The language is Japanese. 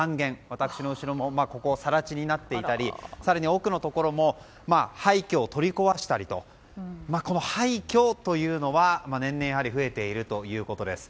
私の後ろも更地になっていたり奥のところも廃墟を取り壊したりとこの廃墟というのは年々やはり増えているということです。